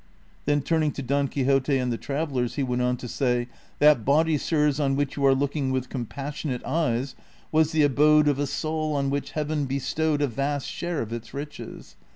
^ Then turning to Don Quixote and the travellers he went on to say, '' That body, sirs, on which you are looking with compassion ate eyes, was the abode of a soul on which Heaven bestowed a vast share of its riches.